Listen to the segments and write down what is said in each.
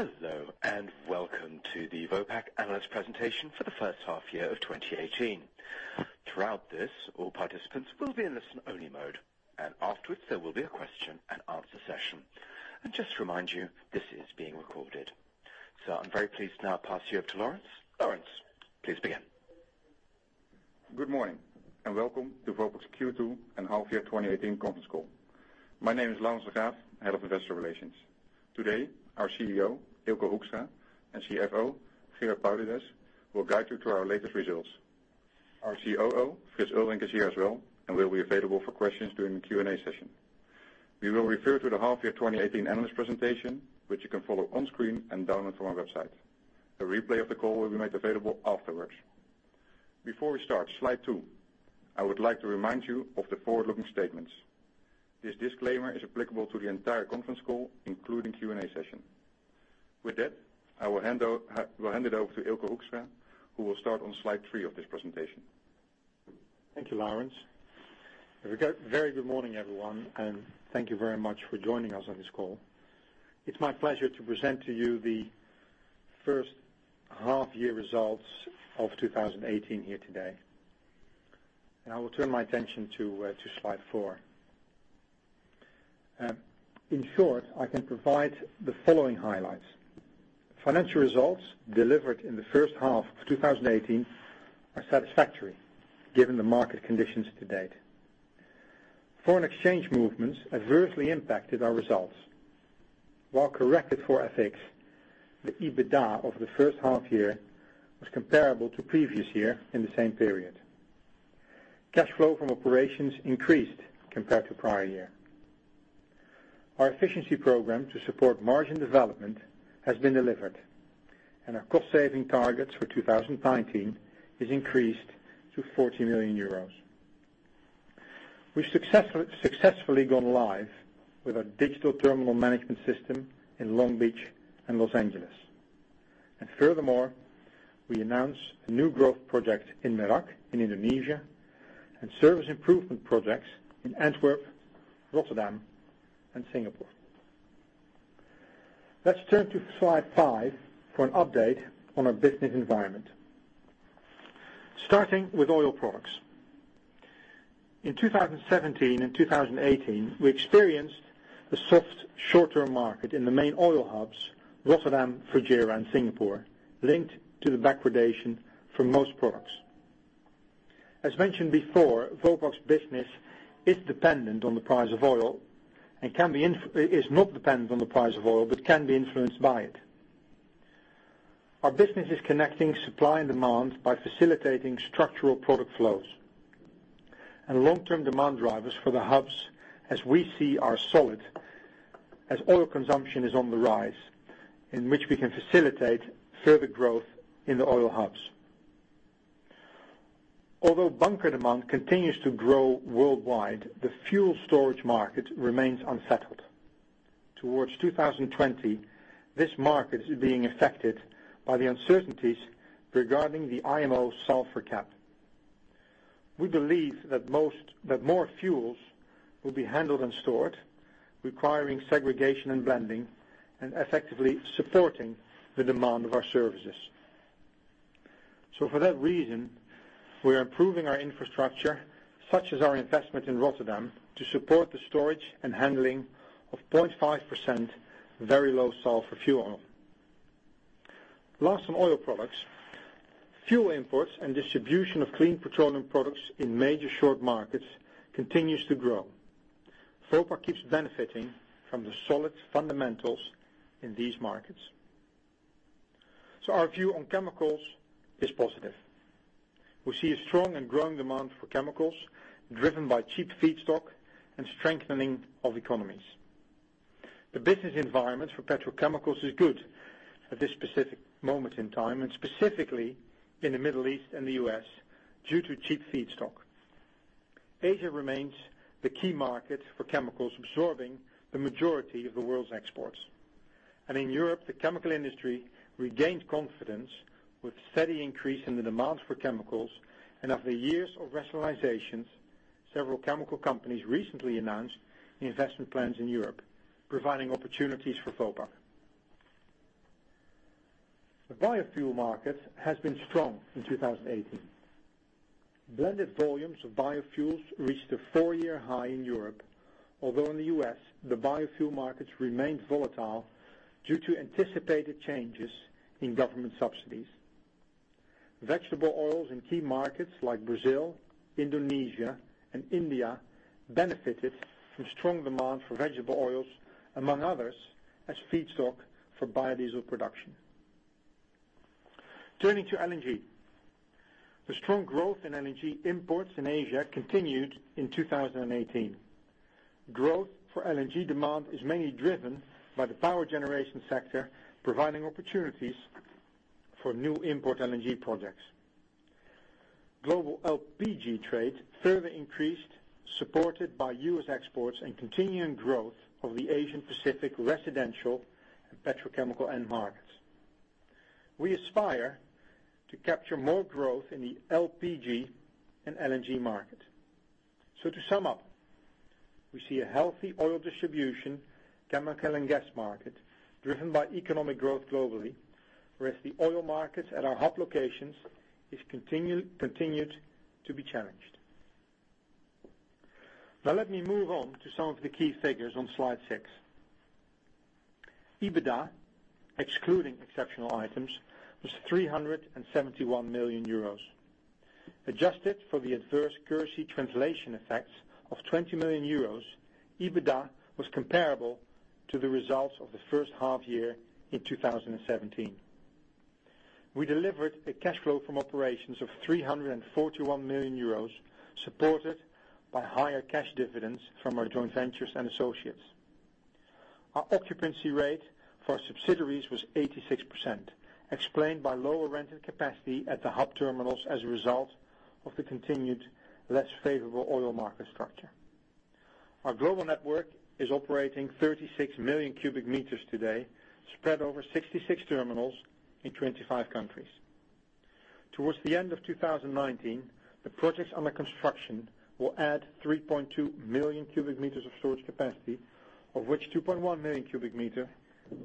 Hello, welcome to the Vopak Analyst Presentation for the first half year of 2018. Throughout this, all participants will be in listen-only mode. Afterwards, there will be a question and answer session. Just to remind you, this is being recorded. I am very pleased to now pass you over to Laurens. Laurens, please begin. Good morning, welcome to Vopak's Q2 and half year 2018 conference call. My name is Laurens de Graaf, Head of Investor Relations. Today, our CEO, Eelco Hoekstra, and CFO, Gerard Paardekooper, will guide you through our latest results. Our COO, Frits Eulderink, is here as well and will be available for questions during the Q&A session. We will refer to the half year 2018 analyst presentation, which you can follow on screen and download from our website. A replay of the call will be made available afterwards. Before we start, slide two, I would like to remind you of the forward-looking statements. This disclaimer is applicable to the entire conference call, including Q&A session. That, I will hand it over to Eelco Hoekstra, who will start on slide three of this presentation. Thank you, Laurens. A very good morning, everyone, thank you very much for joining us on this call. It's my pleasure to present to you the first half year results of 2018 here today. I will turn my attention to slide four. In short, I can provide the following highlights. Financial results delivered in the first half of 2018 are satisfactory, given the market conditions to date. Foreign exchange movements adversely impacted our results. While corrected for FX, the EBITDA over the first half year was comparable to previous year in the same period. Cash flow from operations increased compared to prior year. Our efficiency program to support margin development has been delivered. Our cost-saving targets for 2019 is increased to 40 million euros. We've successfully gone live with our digital terminal management system in Long Beach and Los Angeles. Furthermore, we announced a new growth project in Merak in Indonesia, and service improvement projects in Antwerp, Rotterdam, and Singapore. Let us turn to slide five for an update on our business environment. Starting with oil products. In 2017 and 2018, we experienced a soft short-term market in the main oil hubs, Rotterdam, Fujairah, and Singapore, linked to the backwardation for most products. As mentioned before, Vopak's business is not dependent on the price of oil, can be influenced by it. Our business is connecting supply and demand by facilitating structural product flows. Long-term demand drivers for the hubs, as we see, are solid, as oil consumption is on the rise, in which we can facilitate further growth in the oil hubs. Although bunker demand continues to grow worldwide, the fuel storage market remains unsettled. Towards 2020, this market is being affected by the uncertainties regarding the IMO sulfur cap. We believe that more fuels will be handled and stored, requiring segregation and blending, and effectively supporting the demand of our services. For that reason, we are improving our infrastructure, such as our investment in Rotterdam, to support the storage and handling of 0.5% very low sulfur fuel oil. Last on oil products, fuel imports and distribution of clean petroleum products in major short markets continues to grow. Vopak keeps benefiting from the solid fundamentals in these markets. Our view on chemicals is positive. We see a strong and growing demand for chemicals, driven by cheap feedstock and strengthening of economies. The business environment for petrochemicals is good at this specific moment in time, and specifically in the Middle East and the U.S., due to cheap feedstock. Asia remains the key market for chemicals, absorbing the majority of the world's exports. In Europe, the chemical industry regained confidence with steady increase in the demand for chemicals, and after years of rationalizations, several chemical companies recently announced the investment plans in Europe, providing opportunities for Vopak. The biofuel market has been strong in 2018. Blended volumes of biofuels reached a four-year high in Europe, although in the U.S., the biofuel markets remained volatile due to anticipated changes in government subsidies. Vegetable oils in key markets like Brazil, Indonesia, and India benefited from strong demand for vegetable oils, among others, as feedstock for biodiesel production. Turning to LNG. The strong growth in LNG imports in Asia continued in 2018. Growth for LNG demand is mainly driven by the power generation sector, providing opportunities for new import LNG projects. Global LPG trade further increased, supported by U.S. exports and continuing growth of the Asian Pacific residential petrochemical end markets. We aspire to capture more growth in the LPG and LNG market. To sum up, we see a healthy oil distribution, chemical and gas market driven by economic growth globally. Whereas the oil markets at our hub locations continued to be challenged. Let me move on to some of the key figures on slide six. EBITDA, excluding exceptional items, was 371 million euros. Adjusted for the adverse currency translation effects of 20 million euros, EBITDA was comparable to the results of the first half year in 2017. We delivered a cash flow from operations of 341 million euros, supported by higher cash dividends from our joint ventures and associates. Our occupancy rate for subsidiaries was 86%, explained by lower rented capacity at the hub terminals as a result of the continued less favorable oil market structure. Our global network is operating 36 million cubic meters today, spread over 66 terminals in 25 countries. Towards the end of 2019, the projects under construction will add 3.2 million cubic meters of storage capacity, of which 2.1 million cubic meter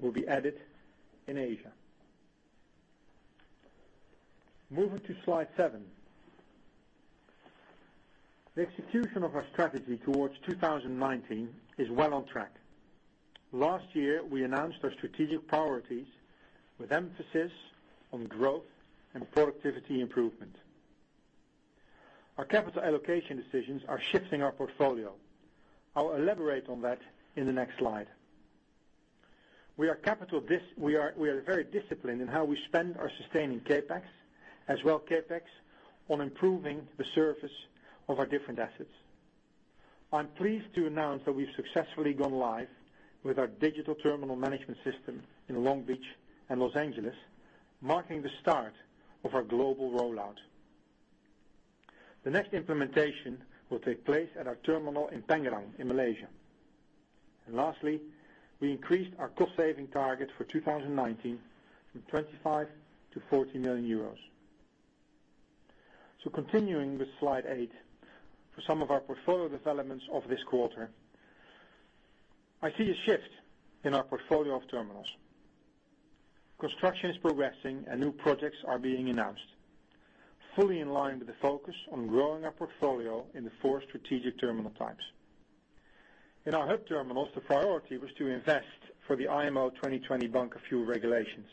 will be added in Asia. Moving to slide seven. The execution of our strategy towards 2019 is well on track. Last year, we announced our strategic priorities with emphasis on growth and productivity improvement. Our capital allocation decisions are shifting our portfolio. I'll elaborate on that in the next slide. We are very disciplined in how we spend our sustaining CapEx, as well CapEx on improving the service of our different assets. I'm pleased to announce that we've successfully gone live with our digital terminal management system in Long Beach and Los Angeles, marking the start of our global rollout. The next implementation will take place at our terminal in Pengerang in Malaysia. Lastly, we increased our cost-saving target for 2019 from 25 million to 40 million euros. Continuing with slide eight, for some of our portfolio developments of this quarter. I see a shift in our portfolio of terminals. Construction is progressing and new projects are being announced, fully in line with the focus on growing our portfolio in the four strategic terminal types. In our hub terminals, the priority was to invest for the IMO 2020 bunker fuel regulations.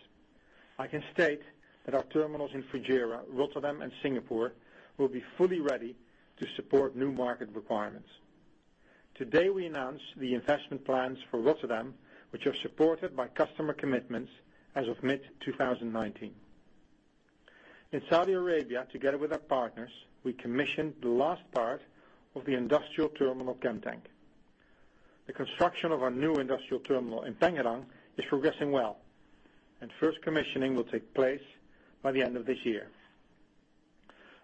I can state that our terminals in Fujairah, Rotterdam, and Singapore will be fully ready to support new market requirements. Today, we announce the investment plans for Rotterdam, which are supported by customer commitments as of mid-2019. In Saudi Arabia, together with our partners, we commissioned the last part of the industrial terminal Chemtank. The construction of our new industrial terminal in Tangerang is progressing well, and first commissioning will take place by the end of this year.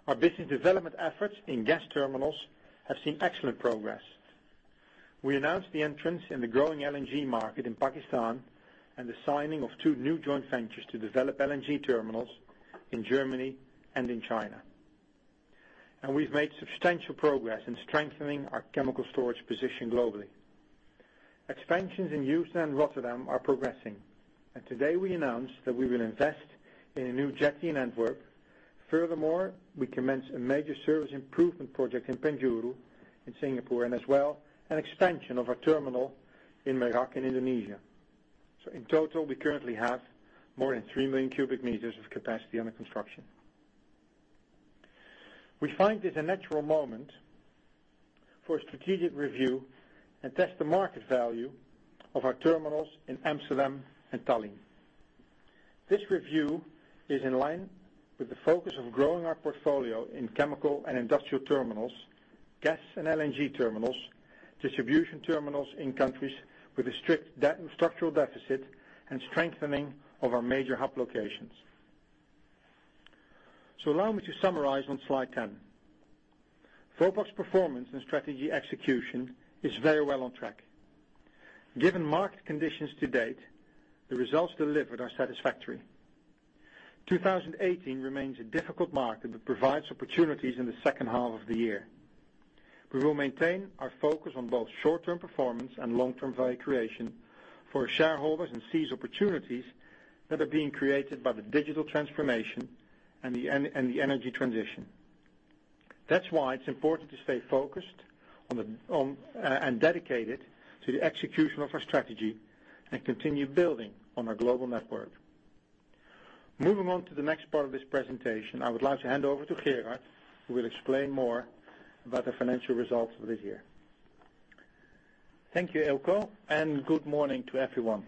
Our business development efforts in gas terminals have seen excellent progress. We announced the entrance in the growing LNG market in Pakistan and the signing of two new joint ventures to develop LNG terminals in Germany and in China. We've made substantial progress in strengthening our chemical storage position globally. Expansions in Houston and Rotterdam are progressing, and today we announce that we will invest in a new jetty in Antwerp. Furthermore, we commenced a major service improvement project in Penjuru, in Singapore, and as well an expansion of our terminal in Merak in Indonesia. In total, we currently have more than three million cubic meters of capacity under construction. We find it a natural moment for a strategic review, and that's the market value of our terminals in Amsterdam and Tallinn. This review is in line with the focus of growing our portfolio in chemical and industrial terminals, gas and LNG terminals, distribution terminals in countries with a strict structural deficit, and strengthening of our major hub locations. Allow me to summarize on slide 10. Vopak's performance and strategy execution is very well on track. Given market conditions to date, the results delivered are satisfactory. 2018 remains a difficult market but provides opportunities in the second half of the year. We will maintain our focus on both short-term performance and long-term value creation for our shareholders and seize opportunities that are being created by the digital transformation and the energy transition. That's why it's important to stay focused and dedicated to the execution of our strategy and continue building on our global network. Moving on to the next part of this presentation, I would like to hand over to Gerard, who will explain more about the financial results of this year. Thank you, Eelco, and good morning to everyone.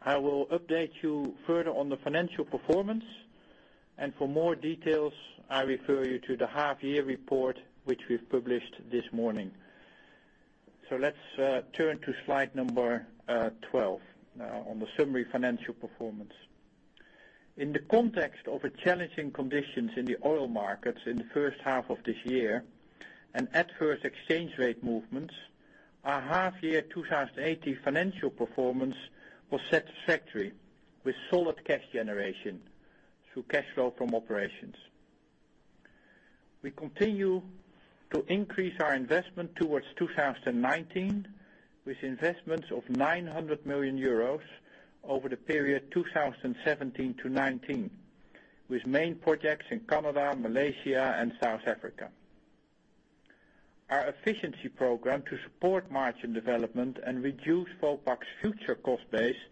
I will update you further on the financial performance, and for more details, I refer you to the half year report, which we've published this morning. Let's turn to slide number 12 on the summary financial performance. In the context of challenging conditions in the oil markets in the first half of this year and adverse exchange rate movements, our half year 2018 financial performance was satisfactory, with solid cash generation through cash flow from operations. We continue to increase our investment towards 2019, with investments of 900 million euros over the period 2017 to 2019, with main projects in Canada, Malaysia, and South Africa. Our efficiency program to support margin development and reduce Vopak's future cost base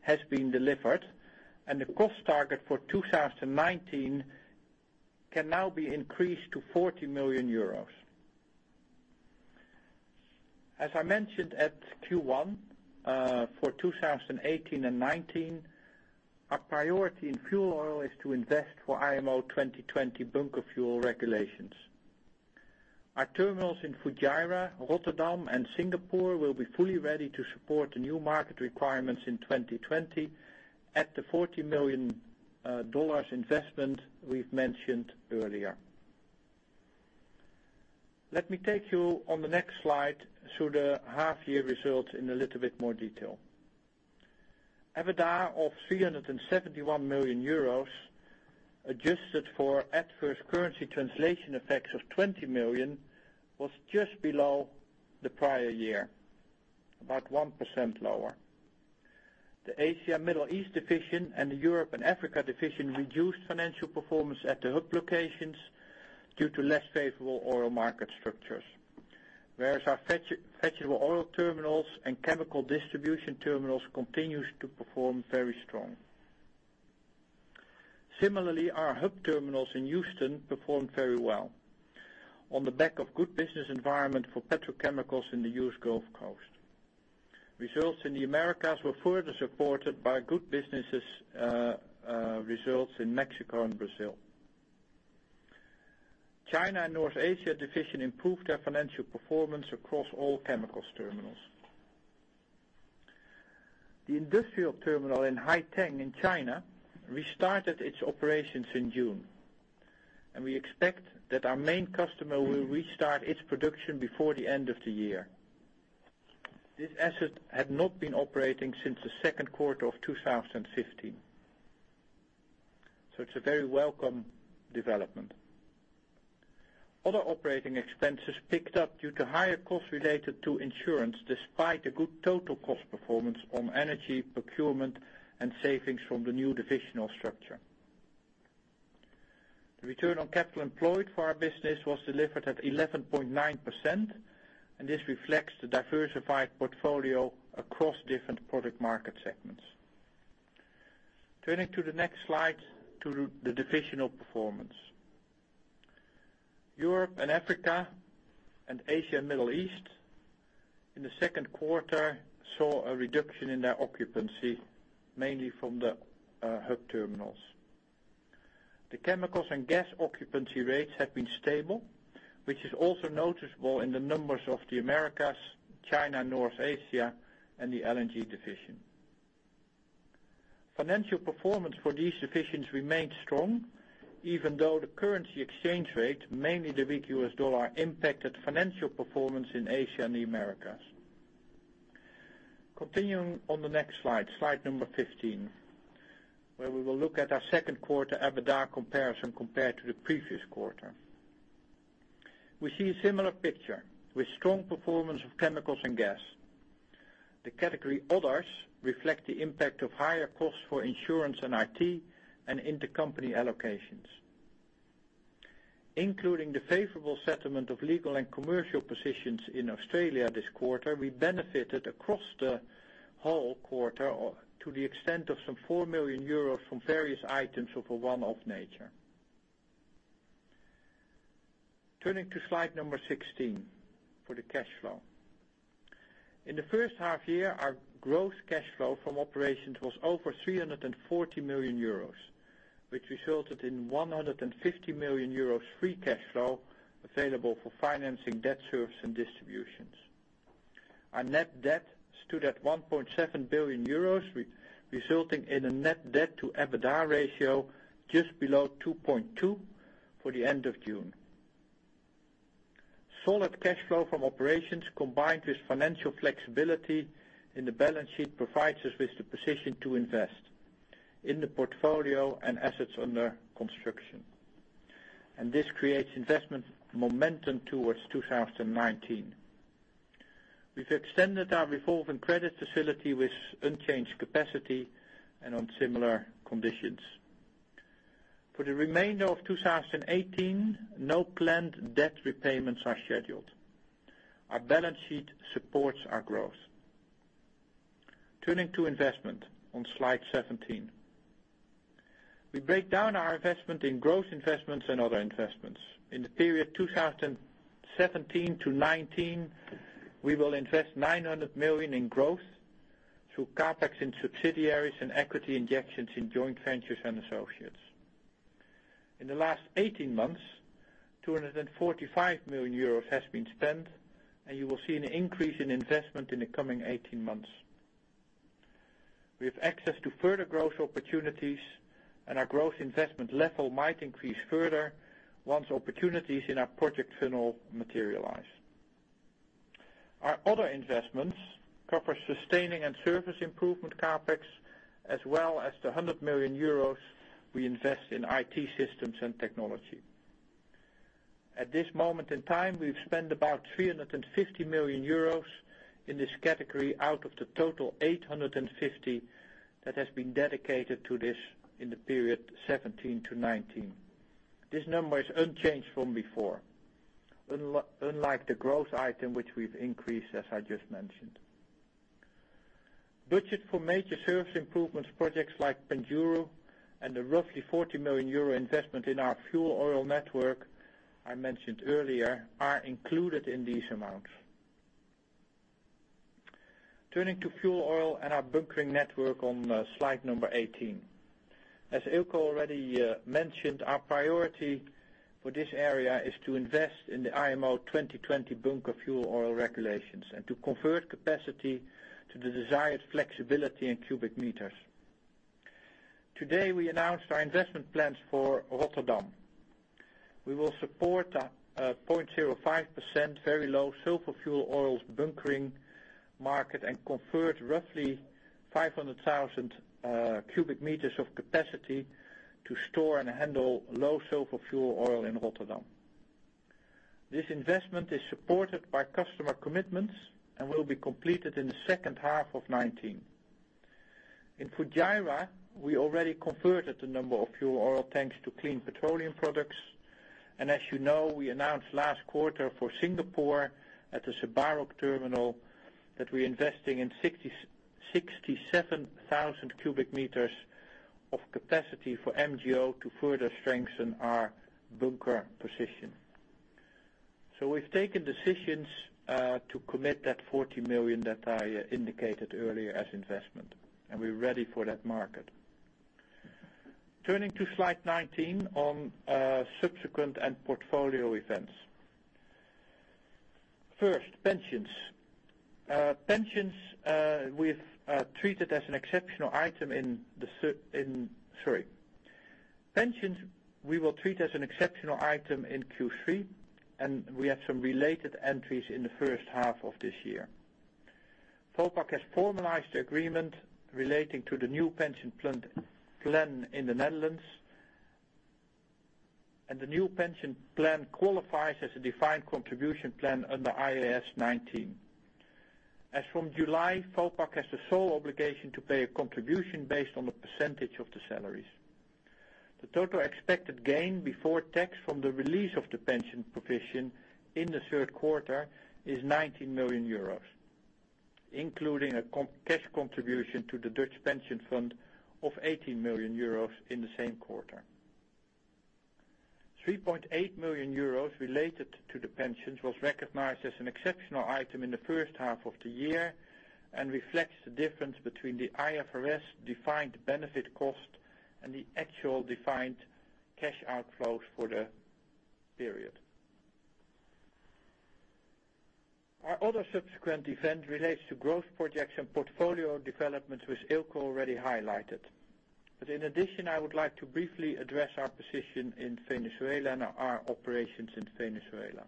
has been delivered, and the cost target for 2019 can now be increased to 40 million euros. As I mentioned at Q1, for 2018 and 2019, our priority in fuel oil is to invest for IMO 2020 bunker fuel regulations. Our terminals in Fujairah, Rotterdam, and Singapore will be fully ready to support the new market requirements in 2020 at the EUR 40 million investment we've mentioned earlier. Let me take you on the next slide through the half year results in a little bit more detail. EBITDA of 371 million euros, adjusted for adverse currency translation effects of 20 million, was just below the prior year, about 1% lower. The Asia Middle East Division and the Europe and Africa Division reduced financial performance at the hub locations due to less favorable oil market structures, whereas our vegetable oil terminals and chemical distribution terminals continues to perform very strong. Similarly, our hub terminals in Houston performed very well on the back of good business environment for petrochemicals in the U.S. Gulf Coast. Results in the Americas were further supported by good businesses results in Mexico and Brazil. China and North Asia Division improved their financial performance across all chemicals terminals. The industrial terminal in Haiteng in China restarted its operations in June, and we expect that our main customer will restart its production before the end of the year. This asset had not been operating since the second quarter of 2015, so it's a very welcome development. Other operating expenses picked up due to higher costs related to insurance, despite the good total cost performance on energy procurement and savings from the new divisional structure. The return on capital employed for our business was delivered at 11.9%, and this reflects the diversified portfolio across different product market segments. Turning to the next slide to the divisional performance. Europe and Africa Division and Asia and Middle East Division in the second quarter saw a reduction in their occupancy, mainly from the hub terminals. The chemicals and gas occupancy rates have been stable, which is also noticeable in the numbers of the Americas, China, North Asia, and the LNG Division. Financial performance for these divisions remained strong, even though the currency exchange rate, mainly the weak U.S. dollar, impacted financial performance in Asia and the Americas. Continuing on the next slide number 15, where we will look at our second quarter EBITDA comparison compared to the previous quarter. We see a similar picture with strong performance of chemicals and gas. The category others reflect the impact of higher costs for insurance and IT and intercompany allocations. Including the favorable settlement of legal and commercial positions in Australia this quarter, we benefited across the whole quarter to the extent of some 4 million euros from various items of a one-off nature. Turning to slide 16 for the cash flow. In the first half year, our growth cash flow from operations was over 340 million euros, which resulted in 150 million euros free cash flow available for financing debt service and distributions. Our net debt stood at 1.7 billion euros, resulting in a net debt to EBITDA ratio just below 2.2 for the end of June. Solid cash flow from operations, combined with financial flexibility in the balance sheet, provides us with the position to invest in the portfolio and assets under construction. This creates investment momentum towards 2019. We've extended our revolving credit facility with unchanged capacity and on similar conditions. For the remainder of 2018, no planned debt repayments are scheduled. Our balance sheet supports our growth. Turning to investment on slide 17. We break down our investment in growth investments and other investments. In the period 2017 to 2019, we will invest 900 million in growth through CapEx in subsidiaries and equity injections in joint ventures and associates. In the last 18 months, 245 million euros has been spent, and you will see an increase in investment in the coming 18 months. We have access to further growth opportunities, and our growth investment level might increase further once opportunities in our project funnel materialize. Our other investments cover sustaining and service improvement CapEx, as well as the 100 million euros we invest in IT systems and technology. At this moment in time, we've spent about 350 million euros in this category out of the total 850 million that has been dedicated to this in the period 2017 to 2019. This number is unchanged from before, unlike the growth item, which we've increased, as I just mentioned. Budget for major service improvements projects like Pengerang and the roughly 40 million euro investment in our fuel oil network I mentioned earlier are included in these amounts. Turning to fuel oil and our bunkering network on slide 18. As Eelco already mentioned, our priority for this area is to invest in the IMO 2020 bunker fuel oil regulations and to convert capacity to the desired flexibility in cubic meters. Today, we announced our investment plans for Rotterdam. We will support a 0.05% very low sulfur fuel oils bunkering market and convert roughly 500,000 cubic meters of capacity to store and handle low sulfur fuel oil in Rotterdam. This investment is supported by customer commitments and will be completed in the second half of 2019. In Fujairah, we already converted a number of fuel oil tanks to clean petroleum products, and as you know, we announced last quarter for Singapore at the Sebarok terminal that we're investing in 67,000 cubic meters of capacity for MGO to further strengthen our bunker position. We've taken decisions to commit that 40 million that I indicated earlier as investment, and we're ready for that market. Turning to slide 19 on subsequent and portfolio events. First, pensions. Pensions we have treated as an exceptional item in, sorry. Pensions we will treat as an exceptional item in Q3. We had some related entries in the first half of this year. Vopak has formalized the agreement relating to the new pension plan in the Netherlands. The new pension plan qualifies as a defined contribution plan under IAS 19. As from July, Vopak has the sole obligation to pay a contribution based on a percentage of the salaries. The total expected gain before tax from the release of the pension provision in the third quarter is 90 million euros, including a cash contribution to the Dutch pension fund of 18 million euros in the same quarter. 3.8 million euros related to the pensions was recognized as an exceptional item in the first half of the year and reflects the difference between the IFRS defined benefit cost and the actual defined cash outflows for the period. Our other subsequent event relates to growth projects and portfolio developments, which Eelco already highlighted. In addition, I would like to briefly address our position in Venezuela and our operations in Venezuela,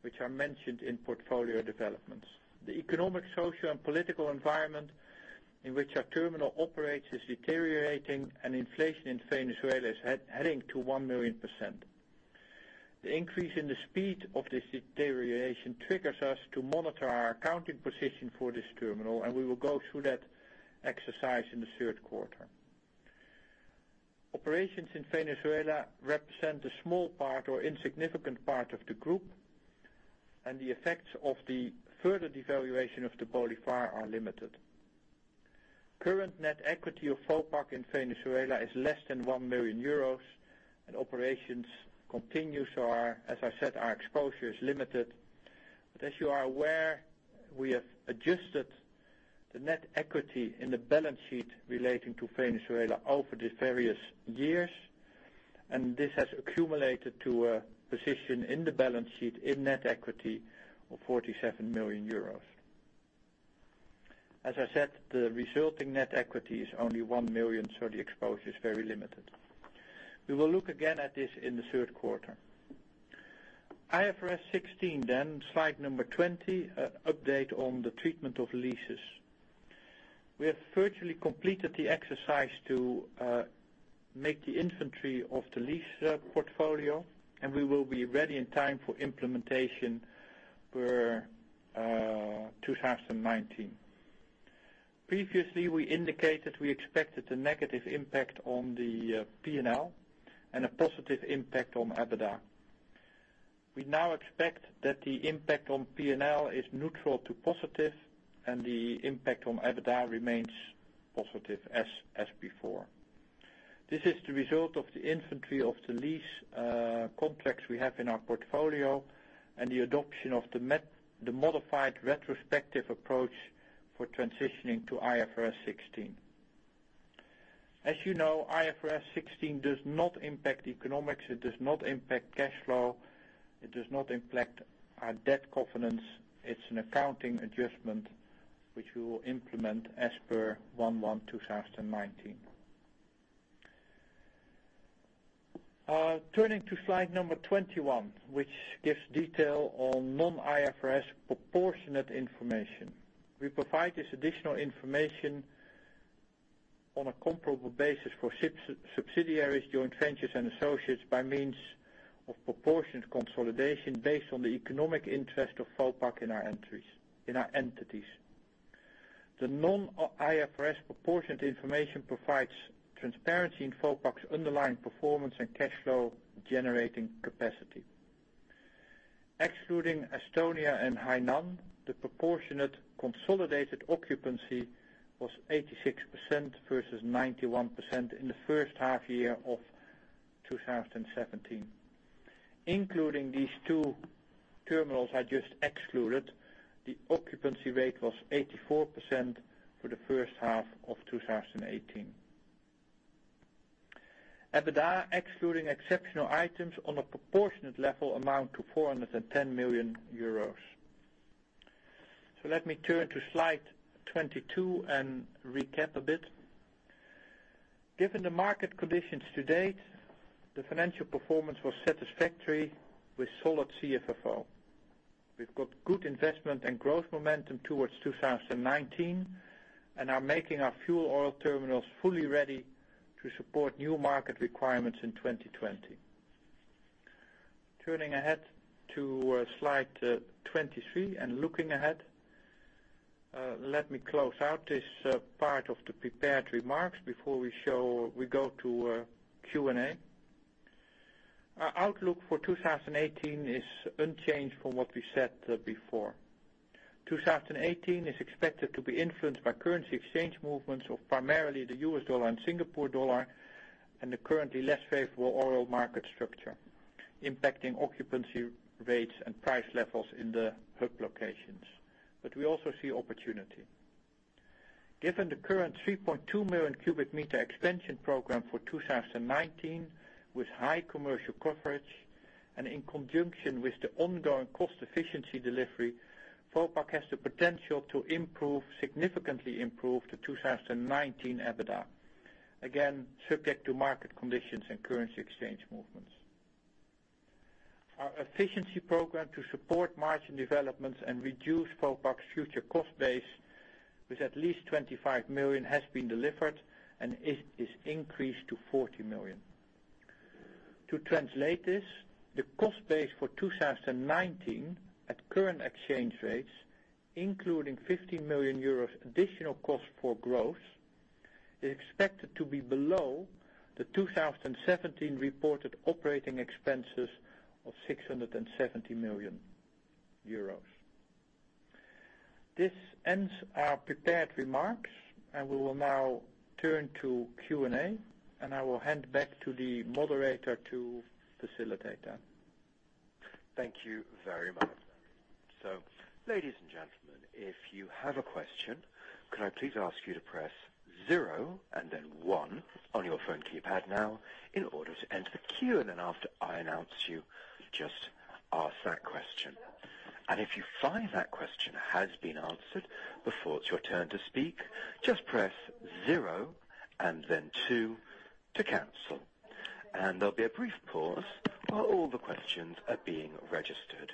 which are mentioned in portfolio developments. The economic, social, and political environment in which our terminal operates is deteriorating. Inflation in Venezuela is heading to 1 million%. The increase in the speed of this deterioration triggers us to monitor our accounting position for this terminal. We will go through that exercise in the third quarter. Operations in Venezuela represent a small part or insignificant part of the group. The effects of the further devaluation of the bolívar are limited. Current net equity of Vopak in Venezuela is less than 1 million euros. Operations continue. As I said, our exposure is limited. As you are aware, we have adjusted the net equity in the balance sheet relating to Venezuela over the various years. This has accumulated to a position in the balance sheet in net equity of 47 million euros. As I said, the resulting net equity is only 1 million, so the exposure is very limited. We will look again at this in the third quarter. IFRS 16, slide number 20, update on the treatment of leases. We have virtually completed the exercise to make the inventory of the lease portfolio. We will be ready in time for implementation for 2019. Previously, we indicated we expected a negative impact on the P&L and a positive impact on EBITDA. We now expect that the impact on P&L is neutral to positive and the impact on EBITDA remains positive as before. This is the result of the inventory of the lease complex we have in our portfolio and the adoption of the modified retrospective approach for transitioning to IFRS 16. As you know, IFRS 16 does not impact economics, it does not impact cash flow, it does not impact our debt covenants. It's an accounting adjustment which we will implement as per 01/01/2019. Turning to slide number 21, which gives detail on non-IFRS proportionate information. We provide this additional information on a comparable basis for subsidiaries, joint ventures, and associates by means of proportionate consolidation based on the economic interest of Vopak in our entities. The non-IFRS proportionate information provides transparency in Vopak's underlying performance and cash flow generating capacity. Excluding Estonia and Hainan, the proportionate consolidated occupancy was 86% versus 91% in the first half year of 2017. Including these two terminals I just excluded, the occupancy rate was 84% for the first half of 2018. EBITDA, excluding exceptional items, on a proportionate level amount to €410 million. Let me turn to slide 22 and recap a bit. Given the market conditions to date, the financial performance was satisfactory with solid CFFO. We've got good investment and growth momentum towards 2019 and are making our fuel oil terminals fully ready to support new market requirements in 2020. Turning ahead to slide 23 and looking ahead, let me close out this part of the prepared remarks before we go to Q&A. Our outlook for 2018 is unchanged from what we said before. 2018 is expected to be influenced by currency exchange movements of primarily the US dollar and Singapore dollar, and the currently less favorable oil market structure, impacting occupancy rates and price levels in the hub locations. We also see opportunity. Given the current 3.2 million cubic meter expansion program for 2019 with high commercial coverage and in conjunction with the ongoing cost efficiency delivery, Vopak has the potential to significantly improve the 2019 EBITDA. Again, subject to market conditions and currency exchange movements. Our efficiency program to support margin developments and reduce Vopak's future cost base with at least 25 million has been delivered and it is increased to 40 million. To translate this, the cost base for 2019 at current exchange rates, including €15 million additional cost for growth, is expected to be below the 2017 reported operating expenses of €670 million. This ends our prepared remarks, and we will now turn to Q&A, and I will hand back to the moderator to facilitate that. Thank you very much. Ladies and gentlemen, if you have a question, could I please ask you to press zero and then one on your phone keypad now in order to enter the queue, and then after I announce you, just ask that question. And if you find that question has been answered before it's your turn to speak, just press zero and then two to cancel. And there'll be a brief pause while all the questions are being registered.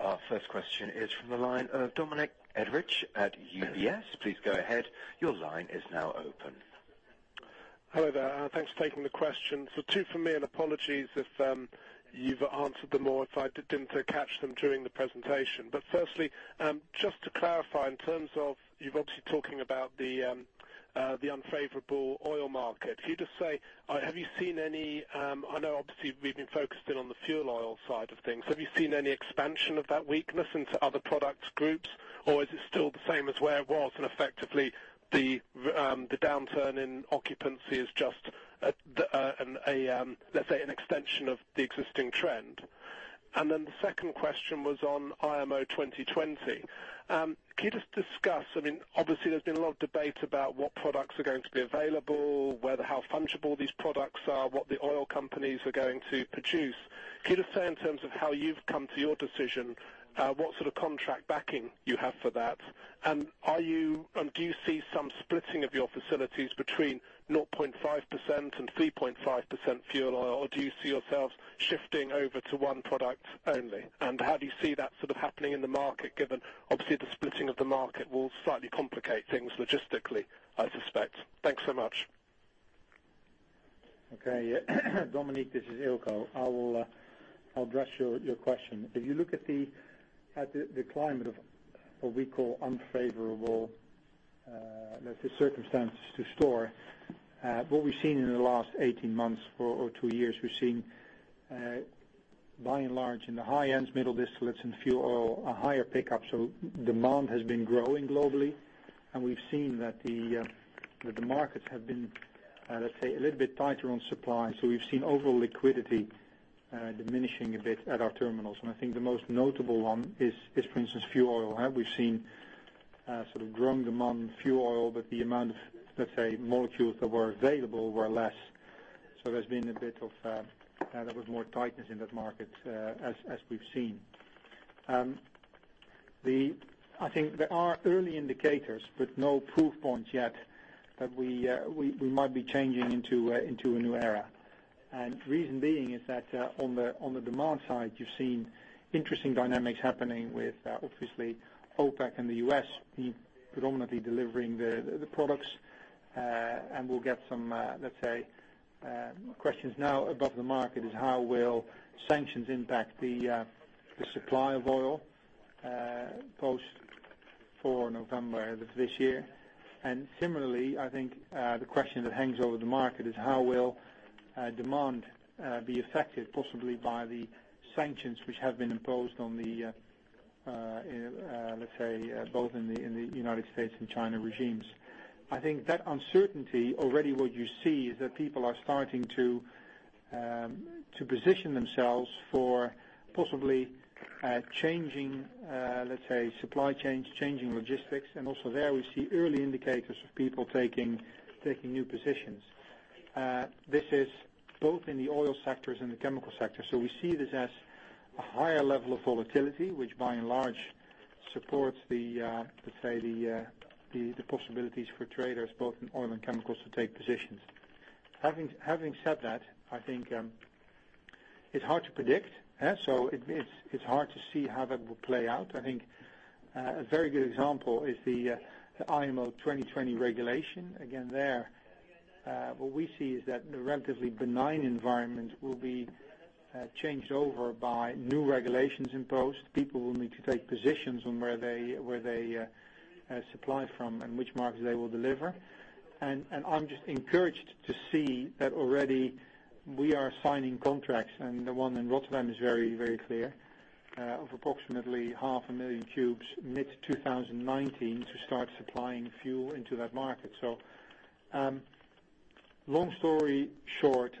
Our first question is from the line of Dominic Edrich at UBS. Please go ahead. Your line is now open. Hello there. Thanks for taking the question. Two from me, and apologies if you've answered them or if I didn't catch them during the presentation. Firstly, just to clarify, in terms of, you're obviously talking about the unfavorable oil market. Have you seen any, I know obviously we've been focusing on the fuel oil side of things. Have you seen any expansion of that weakness into other product groups? Or is it still the same as where it was, and effectively the downturn in occupancy is just, let's say, an extension of the existing trend? The second question was on IMO 2020. Can you just discuss, obviously there's been a lot of debate about what products are going to be available, how fungible these products are, what the oil companies are going to produce. Can you just say in terms of how you've come to your decision, what sort of contract backing you have for that? Do you see some splitting of your facilities between 0.5% and 3.5% fuel oil, or do you see yourselves shifting over to one product only? How do you see that happening in the market, given obviously the splitting of the market will slightly complicate things logistically, I suspect. Thanks so much. Okay. Dominic, this is Eelco. I'll address your question. If you look at the climate of what we call unfavorable circumstances to store. What we've seen in the last 18 months or two years, we've seen by and large in the high end, middle distillates and fuel oil, a higher pickup. Demand has been growing globally We've seen that the markets have been, let's say, a little bit tighter on supply. We've seen overall liquidity diminishing a bit at our terminals, and I think the most notable one is, for instance, fuel oil. We've seen growing demand in fuel oil, but the amount of molecules that were available were less. There was more tightness in that market, as we've seen. I think there are early indicators, but no proof points yet, that we might be changing into a new era. Reason being is that on the demand side, you've seen interesting dynamics happening with, obviously, OPEC and the U.S. predominantly delivering the products. We'll get some questions now above the market is how will sanctions impact the supply of oil post 4 November of this year. Similarly, I think the question that hangs over the market is how will demand be affected, possibly by the sanctions which have been imposed both in the United States and China regimes. I think that uncertainty already, what you see is that people are starting to position themselves for possibly changing supply chains, changing logistics, and also there we see early indicators of people taking new positions. This is both in the oil sectors and the chemical sector. We see this as a higher level of volatility, which by and large supports the possibilities for traders, both in oil and chemicals, to take positions. Having said that, I think it's hard to predict. It's hard to see how that will play out. I think a very good example is the IMO 2020 regulation. There, what we see is that the relatively benign environment will be changed over by new regulations imposed. People will need to take positions on where they supply from and which markets they will deliver. I'm just encouraged to see that already we are signing contracts, and the one in Rotterdam is very clear, of approximately half a million cubes mid-2019 to start supplying fuel into that market. Long story short,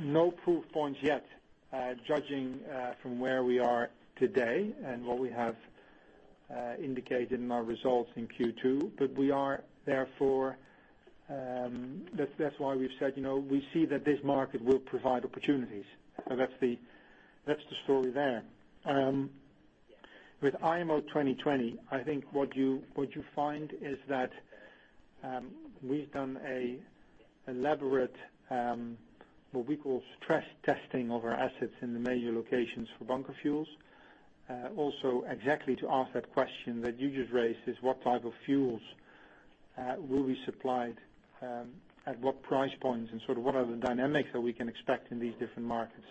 no proof points yet, judging from where we are today and what we have indicated in our results in Q2. That's why we've said, we see that this market will provide opportunities. That's the story there. With IMO 2020, I think what you find is that we've done an elaborate what we call stress testing of our assets in the major locations for bunker fuels. Also exactly to ask that question that you just raised, is what type of fuels will be supplied at what price points, and what are the dynamics that we can expect in these different markets?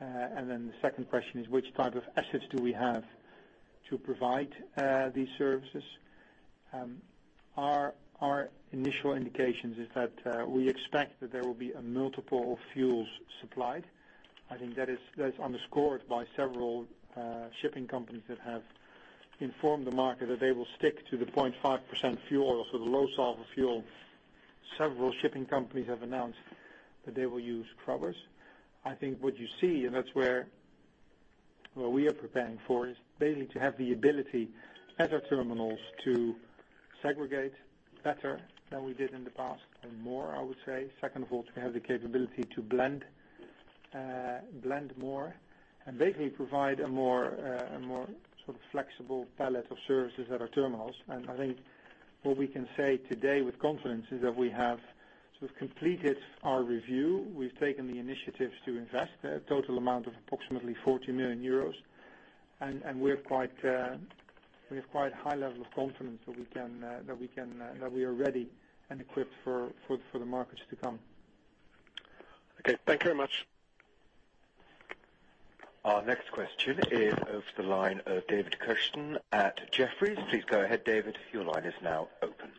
The second question is which type of assets do we have to provide these services? Our initial indications is that we expect that there will be a multiple of fuels supplied. I think that is underscored by several shipping companies that have informed the market that they will stick to the 0.5% fuel oil, so the low sulfur fuel. Several shipping companies have announced that they will use scrubbers. I think what you see, and that's where we are preparing for, is basically to have the ability at our terminals to segregate better than we did in the past, and more, I would say. Second of all, to have the capability to blend more and basically provide a more flexible palette of services at our terminals. I think what we can say today with confidence is that we have completed our review. We've taken the initiatives to invest a total amount of approximately 40 million euros. We have quite high level of confidence that we are ready and equipped for the markets to come. Okay. Thank you very much. Our next question is over the line of David Kerstens at Jefferies. Please go ahead, David. Your line is now open.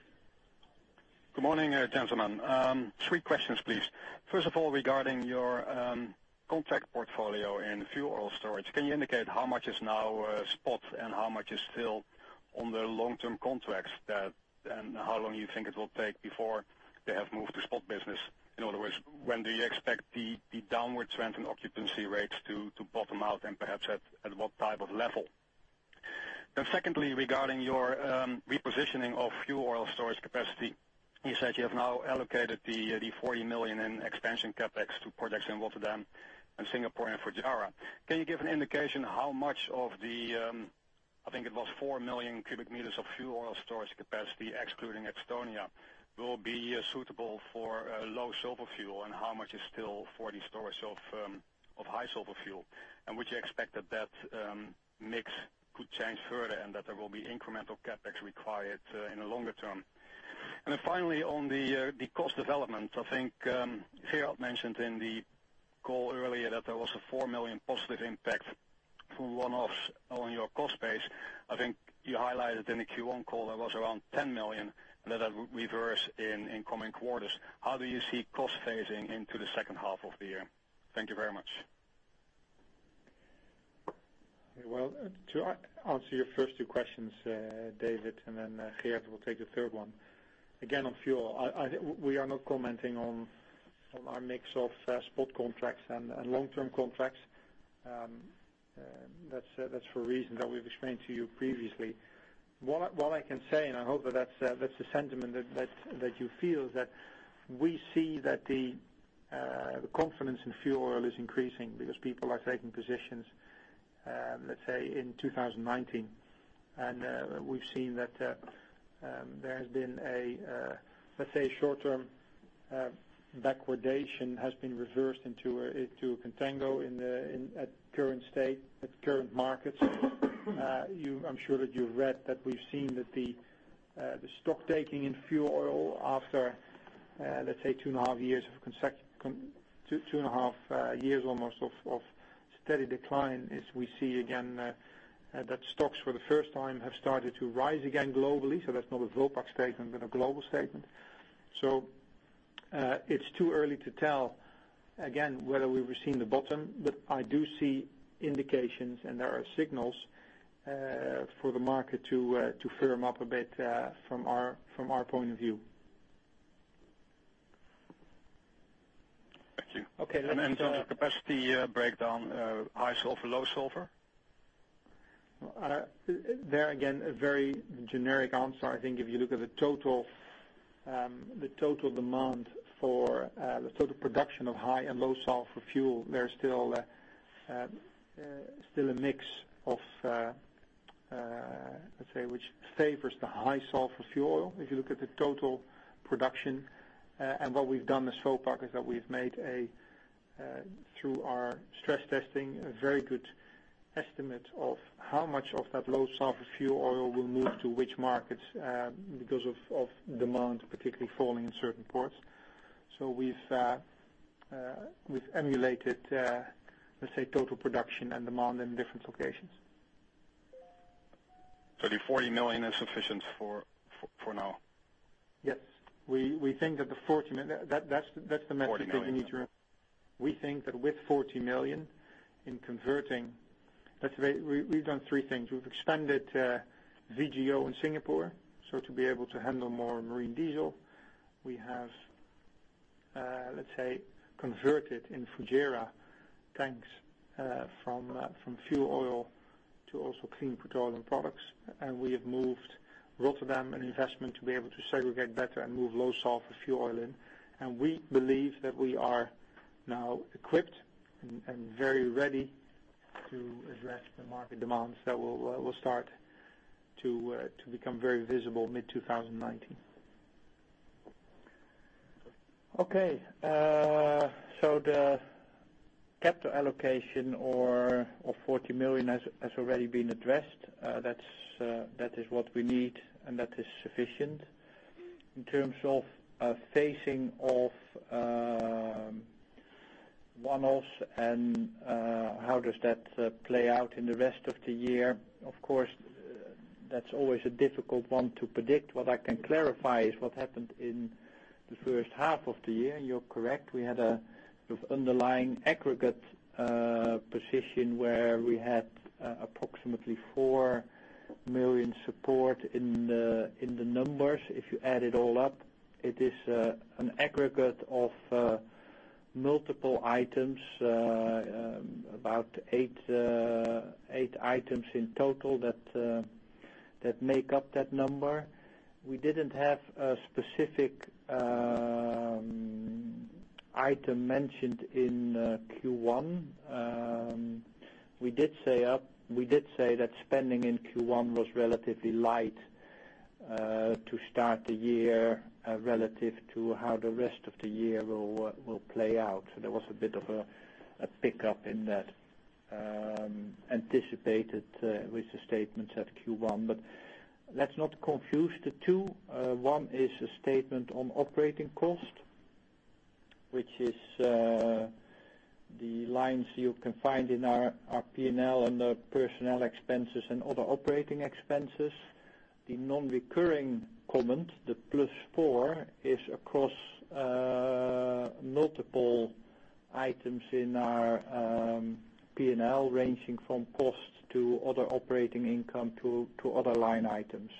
Good morning, gentlemen. Three questions, please. First of all, regarding your contract portfolio in fuel oil storage, can you indicate how much is now spot and how much is still under long-term contracts? How long you think it will take before they have moved to spot business? In other words, when do you expect the downward trend in occupancy rates to bottom out and perhaps at what type of level? Secondly, regarding your repositioning of fuel oil storage capacity, you said you have now allocated the 40 million in expansion CapEx to projects in Rotterdam and Singapore and Fujairah. Can you give an indication how much of the, I think it was 4 million cubic meters of fuel oil storage capacity, excluding Estonia, will be suitable for low sulfur fuel, and how much is still for the storage of high sulfur fuel? Would you expect that mix could change further and that there will be incremental CapEx required in the longer term? Finally, on the cost development, I think Gerard mentioned in the call earlier that there was a 4 million positive impact from one-offs on your cost base. I think you highlighted in the Q1 call that was around 10 million, and that would reverse in coming quarters. How do you see costs phasing into the second half of the year? Thank you very much. Well, to answer your first two questions, David, Gerard will take the third one. Again, on fuel, we are not commenting on our mix of spot contracts and long-term contracts. That's for reasons that we've explained to you previously. What I can say, and I hope that's the sentiment that you feel, is that we see that the confidence in fuel oil is increasing because people are taking positions, let's say, in 2019. We've seen that there has been a, let's say, short term backwardation has been reversed into contango at current markets. I'm sure that you've read that we've seen that the stock taking in fuel oil after, let's say, two and a half years almost of steady decline, is we see again that stocks for the first time have started to rise again globally. That's not a Vopak statement, but a global statement. It's too early to tell again whether we were seeing the bottom, but I do see indications, and there are signals for the market to firm up a bit from our point of view. Thank you. Okay. The capacity breakdown, high sulfur, low sulfur? There again, a very generic answer. I think if you look at the total demand for the sort of production of high and low sulfur fuel, there's still a mix of, let's say, which favors the high sulfur fuel oil. If you look at the total production and what we've done as Vopak is that we've made, through our stress testing, a very good estimate of how much of that low sulfur fuel oil will move to which markets because of demand, particularly falling in certain ports. We've emulated, let's say, total production and demand in different locations. the 40 million is sufficient for now? Yes. We think that the 40 million, that is the message that we need to EUR 40 million. We think that with 40 million in converting, we have done three things. We have expanded MGO in Singapore, so to be able to handle more marine diesel. We have, let's say, converted in Fujairah tanks from fuel oil to also clean petroleum products. We have moved Rotterdam an investment to be able to segregate better and move low sulfur fuel oil in. We believe that we are now equipped and very ready to address the market demands that will start to become very visible mid-2019. Okay. The capital allocation of 40 million has already been addressed. That is what we need, and that is sufficient. In terms of phasing of one-offs and how does that play out in the rest of the year, of course, that is always a difficult one to predict. What I can clarify is what happened in the first half of the year, and you are correct, we had a sort of underlying aggregate position where we had approximately 4 million support in the numbers. If you add it all up, it is an aggregate of multiple items, about eight items in total that make up that number. We did not have a specific item mentioned in Q1. We did say that spending in Q1 was relatively light to start the year relative to how the rest of the year will play out. There was a bit of a pickup in that anticipated with the statements at Q1. Let's not confuse the two. One is a statement on operating cost, which is the lines you can find in our P&L under personnel expenses and other operating expenses. The non-recurring comment, the plus four, is across multiple items in our P&L, ranging from costs to other operating income to other line items.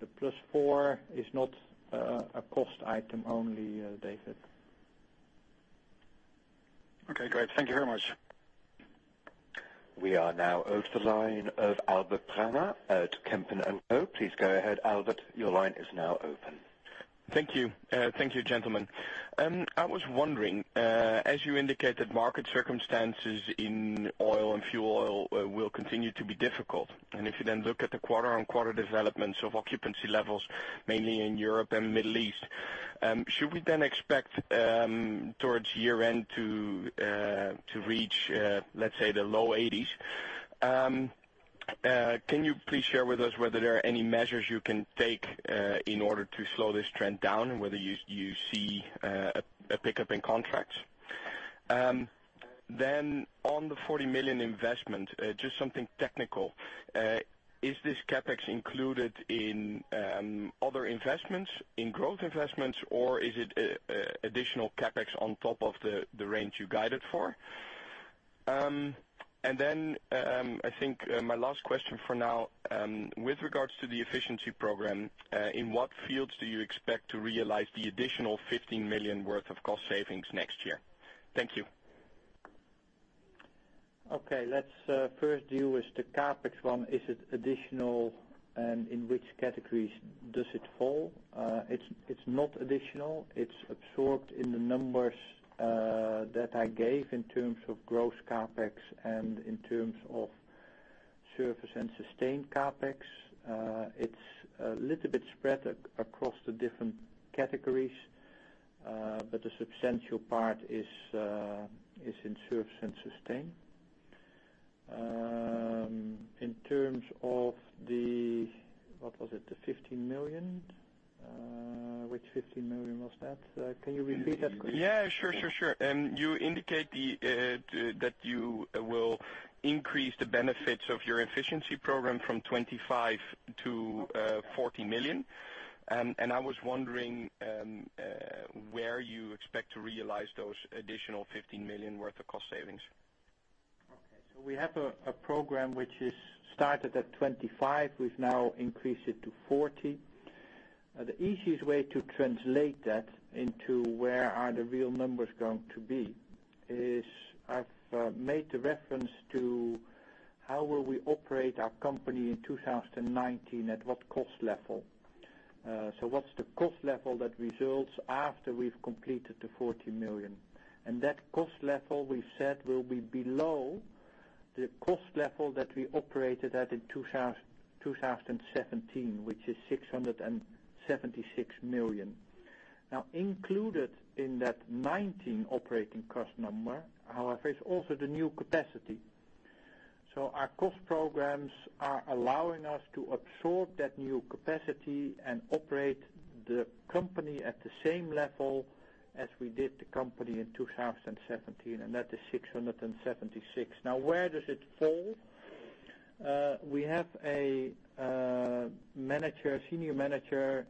The plus four is not a cost item only, David. Okay, great. Thank you very much. We are now open the line of Albert Pranger at Van Lanschot Kempen. Please go ahead, Albert. Your line is now open. Thank you. Thank you, gentlemen. I was wondering, as you indicated, market circumstances in oil and fuel oil will continue to be difficult. If you then look at the quarter-on-quarter developments of occupancy levels, mainly in Europe and Middle East, should we then expect towards year end to reach, let's say, the low eighties? Can you please share with us whether there are any measures you can take in order to slow this trend down and whether you see a pickup in contracts? On the 40 million investment, just something technical. Is this CapEx included in other investments, in growth investments, or is it additional CapEx on top of the range you guided for? I think my last question for now. With regards to the efficiency program, in what fields do you expect to realize the additional 15 million worth of cost savings next year? Thank you. Okay. Let's first deal with the CapEx one. Is it additional and in which categories does it fall? It's not additional. It's absorbed in the numbers that I gave in terms of gross CapEx and in terms of service and sustained CapEx. It's a little bit spread across the different categories, but the substantial part is in service and sustain. In terms of the, what was it? The 15 million. Which 15 million was that? Can you repeat that question? Yeah. Sure. You indicate that you will increase the benefits of your efficiency program from 25 million to 40 million, I was wondering where you expect to realize those additional 15 million worth of cost savings. Okay. We have a program which started at 25. We've now increased it to 40. The easiest way to translate that into where are the real numbers going to be is I've made the reference to how will we operate our company in 2019, at what cost level. What's the cost level that results after we've completed the 40 million? That cost level we've said will be below the cost level that we operated at in 2017, which is 676 million. Included in that 2019 operating cost number, however, is also the new capacity. Our cost programs are allowing us to absorb that new capacity and operate the company at the same level as we did the company in 2017, and that is 676. Where does it fall? We have a senior manager,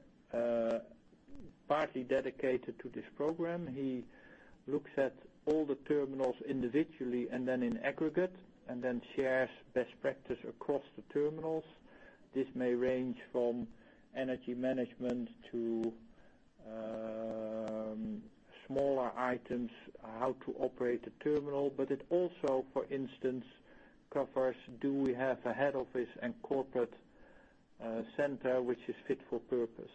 partly dedicated to this program. He looks at all the terminals individually and then in aggregate, and then shares best practice across the terminals. This may range from energy management to smaller items, how to operate a terminal, but it also, for instance, covers do we have a head office and corporate center which is fit for purpose.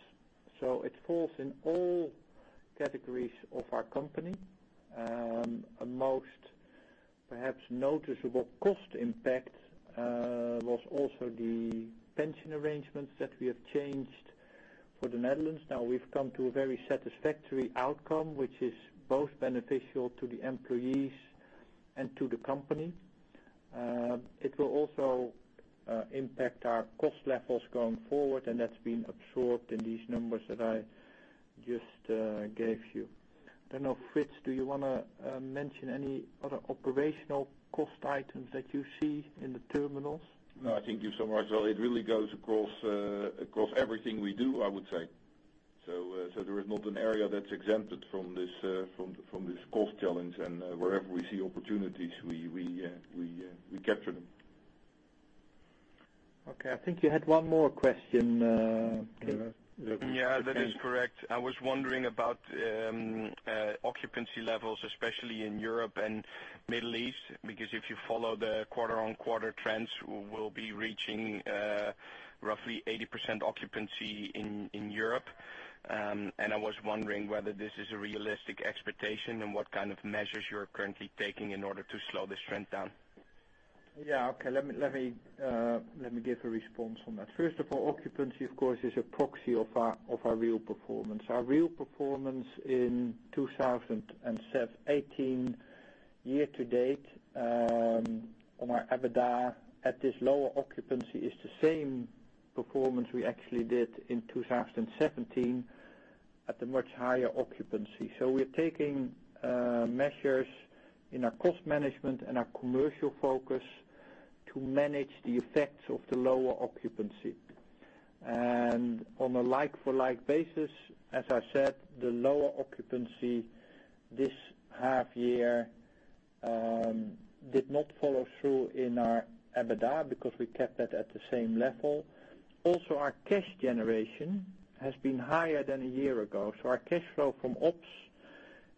It falls in all categories of our company. A most perhaps noticeable cost impact was also the pension arrangements that we have changed for the Netherlands. We've come to a very satisfactory outcome, which is both beneficial to the employees and to the company. It will also impact our cost levels going forward, and that's been absorbed in these numbers that I just gave you. I don't know, Frits, do you want to mention any other operational cost items that you see in the terminals? No, I think you summarized well. It really goes across everything we do, I would say. There is not an area that's exempted from this cost challenge, and wherever we see opportunities, we capture them. Okay. I think you had one more question. Yeah, that is correct. I was wondering about occupancy levels, especially in Europe and Middle East, because if you follow the quarter-on-quarter trends, we'll be reaching roughly 80% occupancy in Europe. I was wondering whether this is a realistic expectation and what kind of measures you're currently taking in order to slow this trend down. Yeah. Okay. Let me give a response on that. First of all, occupancy, of course, is a proxy of our real performance. Our real performance in 2018, year to date, on our EBITDA at this lower occupancy is the same performance we actually did in 2017 at a much higher occupancy. We're taking measures in our cost management and our commercial focus to manage the effects of the lower occupancy. On a like-for-like basis, as I said, the lower occupancy this half year did not follow through in our EBITDA because we kept that at the same level. Also, our cash generation has been higher than a year ago. Our cash flow from ops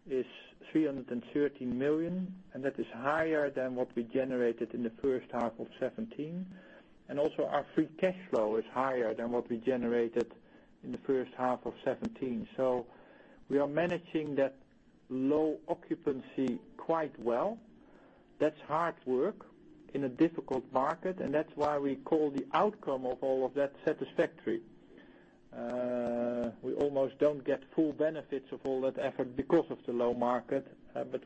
is 313 million, and that is higher than what we generated in the first half of 2017. Also our free cash flow is higher than what we generated in the first half of 2017. We are managing that low occupancy quite well. That's hard work in a difficult market, and that's why we call the outcome of all of that satisfactory. We almost don't get full benefits of all that effort because of the low market,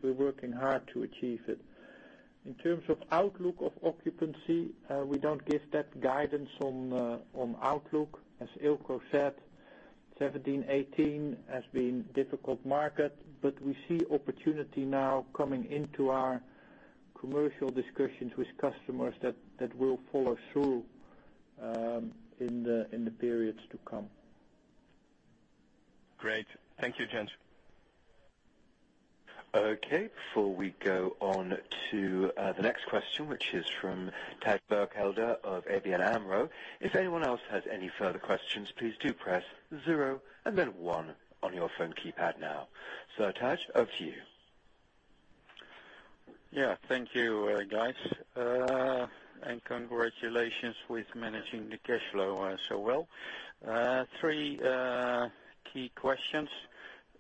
we're working hard to achieve it. In terms of outlook of occupancy, we don't give that guidance on outlook. As Eelco said, 2017, 2018 has been difficult market, we see opportunity now coming into our commercial discussions with customers that will follow through in the periods to come. Great. Thank you, (Gerrard) Okay, before we go on to the next question, which is from Thijs Berkelder of ABN AMRO, if anyone else has any further questions, please do press zero and then one on your phone keypad now. Thijs, over to you. Thank you, guys, and congratulations with managing the cash flow so well. Three key questions.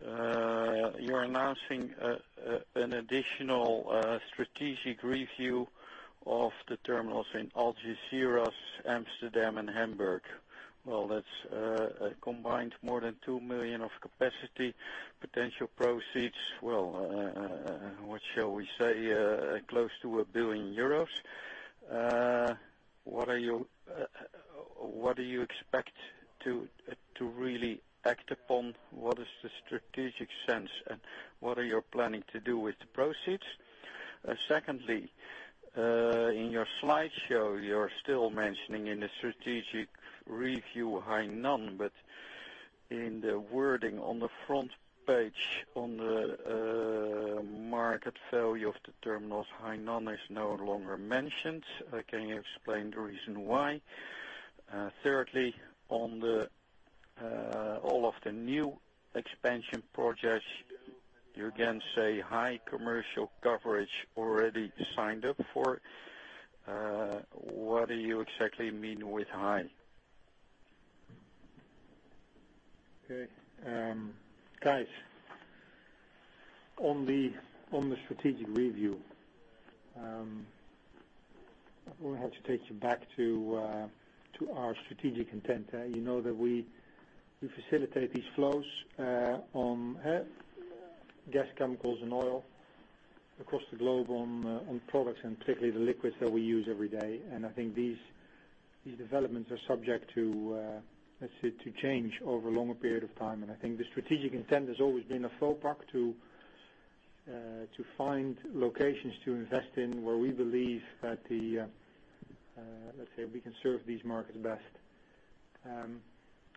You're announcing an additional strategic review of the terminals in Algeciras, Amsterdam, and Hamburg. Well, that's a combined more than 2 million of capacity, potential proceeds, what shall we say, close to 1 billion euros. What do you expect to really act upon? What is the strategic sense and what are you planning to do with the proceeds? Secondly, in your slideshow, you're still mentioning in the strategic review Hainan, but in the wording on the front page on the market value of the terminal, Hainan is no longer mentioned. Can you explain the reason why? Thirdly, on all of the new expansion projects, you again say high commercial coverage already signed up for. What do you exactly mean with high? Okay. Guys, on the strategic review, I'm going to have to take you back to our strategic intent. You know that we facilitate these flows on gas, chemicals, and oil across the globe on products, and particularly the liquids that we use every day. I think these developments are subject to change over a longer period of time. I think the strategic intent has always been of Vopak to find locations to invest in where we believe that, let's say, we can serve these markets best.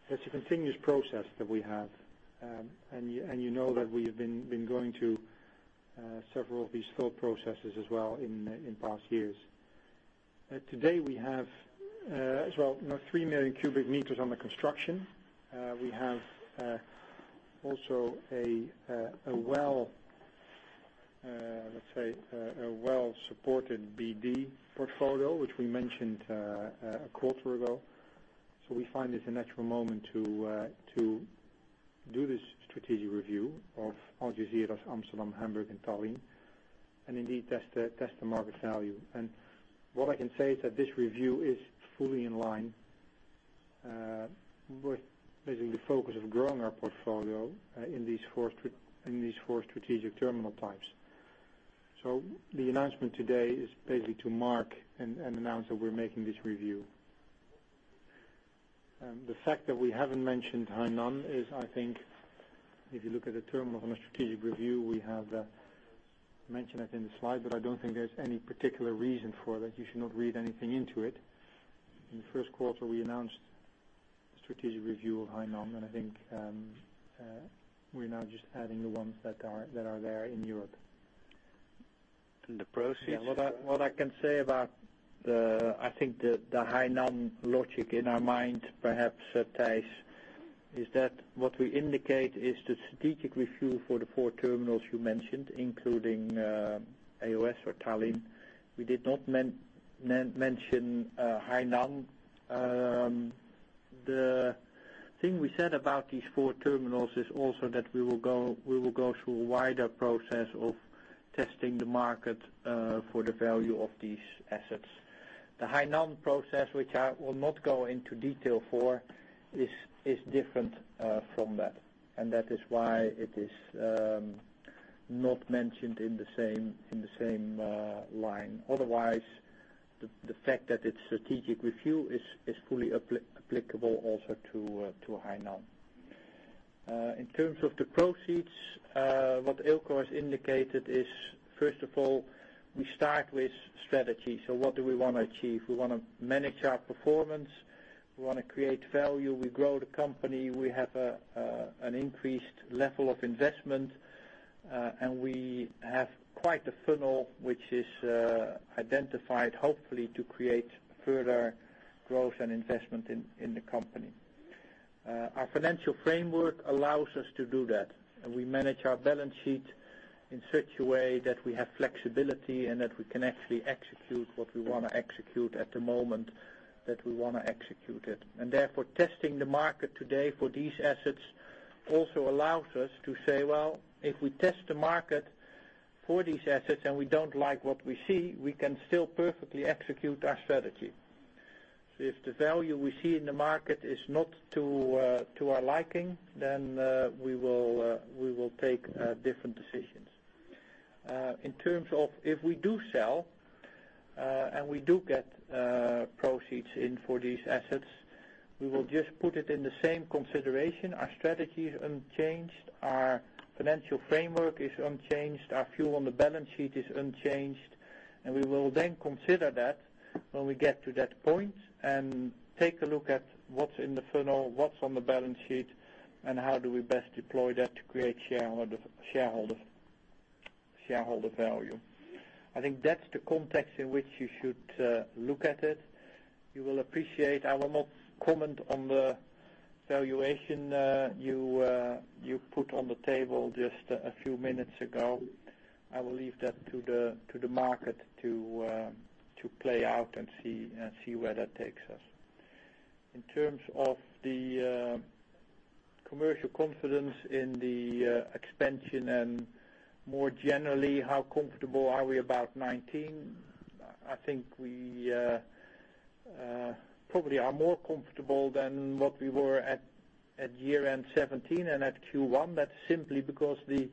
It's a continuous process that we have. You know that we have been going through several of these full processes as well in past years. Today, we have 3 million cubic meters under construction. We have also a well-supported BD portfolio, which we mentioned a quarter ago. We find it a natural moment to do this strategic review of Algeciras, Amsterdam, Hamburg, and Tallinn, and indeed test the market value. What I can say is that this review is fully in line with basically the focus of growing our portfolio in these 4 strategic terminal types. The announcement today is basically to mark and announce that we're making this review. The fact that we haven't mentioned Hainan is, I think if you look at the terminal on a strategic review, we have mentioned it in the slide, but I don't think there's any particular reason for that. You should not read anything into it. In the first quarter, we announced strategic review of Hainan, I think, we're now just adding the ones that are there in Europe. The proceeds? What I can say about the Hainan logic in our mind, perhaps, Thijs, is that what we indicate is the strategic review for the four terminals you mentioned, including E.O.S. or Tallinn. We did not mention Hainan. The thing we said about these four terminals is also that we will go through a wider process of testing the market, for the value of these assets. The Hainan process, which I will not go into detail for, is different from that is why it is not mentioned in the same line. The fact that its strategic review is fully applicable also to Hainan. In terms of the proceeds, what Eelco has indicated is, first of all, we start with strategy. What do we want to achieve? We want to manage our performance. We want to create value. We grow the company. We have an increased level of investment, and we have quite a funnel, which is identified, hopefully, to create further growth and investment in the company. Our financial framework allows us to do that, and we manage our balance sheet in such a way that we have flexibility and that we can actually execute what we want to execute at the moment that we want to execute it. Therefore, testing the market today for these assets also allows us to say, well, if we test the market for these assets and we don't like what we see, we can still perfectly execute our strategy. If the value we see in the market is not to our liking, then we will take different decisions. In terms of if we do sell, and we do get proceeds in for these assets, we will just put it in the same consideration. Our strategy is unchanged. Our financial framework is unchanged. Our view on the balance sheet is unchanged. We will then consider that when we get to that point and take a look at what's in the funnel, what's on the balance sheet, and how do we best deploy that to create shareholder value. I think that's the context in which you should look at it. You will appreciate I will not comment on the valuation you put on the table just a few minutes ago. I will leave that to the market to play out and see where that takes us. In terms of the commercial confidence in the expansion and more generally, how comfortable are we about 2019? I think we probably are more comfortable than what we were at year-end 2017 and at Q1. That's simply because the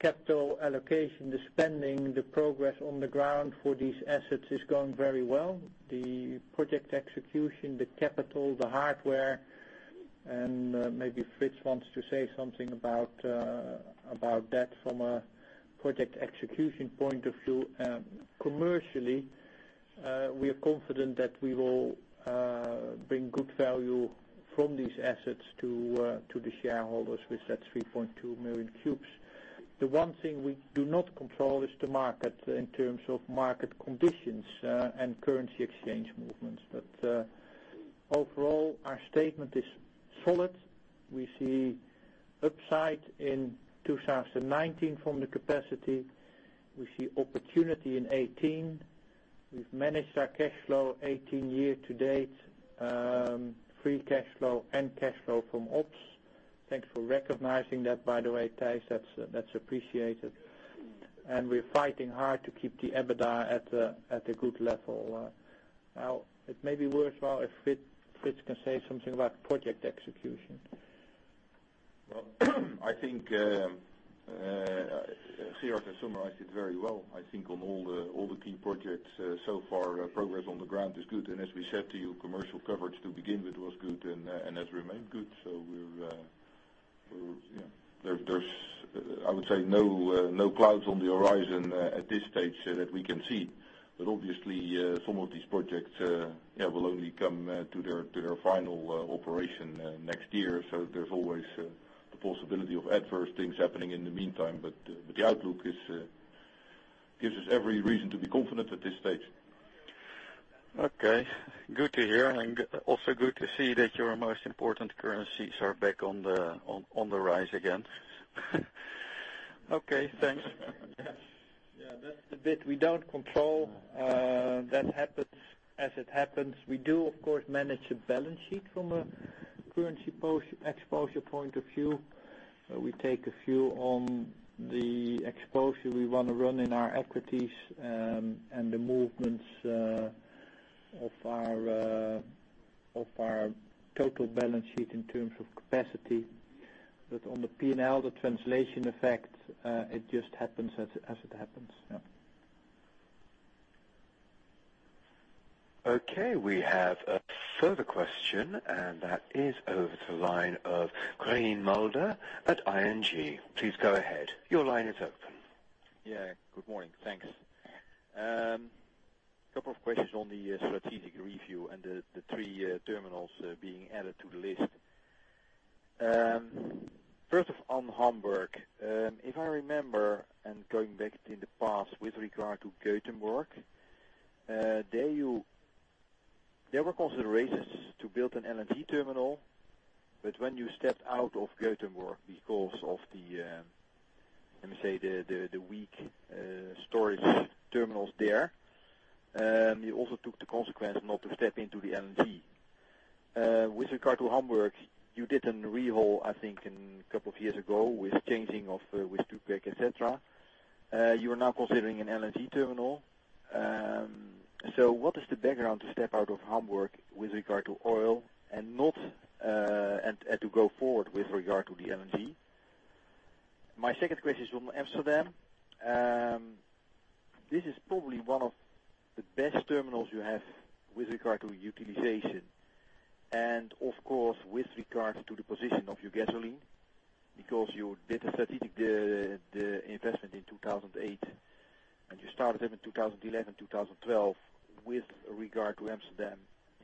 capital allocation, the spending, the progress on the ground for these assets is going very well. The project execution, the capital, the hardware. Maybe Frits wants to say something about that from a project execution point of view. Commercially, we are confident that we will bring good value from these assets to the shareholders with that 3.2 million cubes. The one thing we do not control is the market in terms of market conditions and currency exchange movements. Overall, our statement is solid. We see upside in 2019 from the capacity. We see opportunity in 2018. We've managed our cash flow 2018 year to date, free cash flow and cash flow from ops. Thanks for recognizing that, by the way, Thijs, that's appreciated. We're fighting hard to keep the EBITDA at a good level. It may be worthwhile if Frits can say something about project execution. I think Gerard has summarized it very well. I think on all the key projects so far, progress on the ground is good. As we said to you, commercial coverage to begin with was good and has remained good. There's, I would say, no clouds on the horizon at this stage that we can see. Obviously, some of these projects will only come to their final operation next year. There's always the possibility of adverse things happening in the meantime. The outlook gives us every reason to be confident at this stage. Okay. Good to hear. Also good to see that your most important currencies are back on the rise again. Okay, thanks. That's the bit we don't control. That happens as it happens. We do, of course, manage the balance sheet from a currency exposure point of view, where we take a view on the exposure we want to run in our equities and the movements of our total balance sheet in terms of capacity. On the P&L, the translation effect, it just happens as it happens. Yeah. Okay. We have a further question over to the line of Quirijn Mulder at ING. Please go ahead. Your line is open. Good morning. Thanks. A couple of questions on the strategic review and the 3 terminals being added to the list. First off, on Hamburg, if I remember and going back in the past with regard to Gothenburg, there were considerations to build an LNG terminal, but when you stepped out of Gothenburg because of the, let me say, the weak storage terminals there, you also took the consequence not to step into the LNG. With regard to Hamburg, you did a rehaul, I think, 2 years ago with changing of, et cetera. You are now considering an LNG terminal. What is the background to step out of Hamburg with regard to oil and to go forward with regard to the LNG? My 2nd question is on Amsterdam. This is probably 1 of the best terminals you have with regard to utilization and of course, with regard to the position of your gasoline, because you did a strategic investment in 2008, and you started in 2011, 2012 with regard to Amsterdam